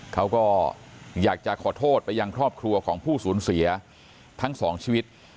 เขาก็อยากจะขอโทษไปยังครอบครัวของผู้สูญเสียทั้งสองชีวิต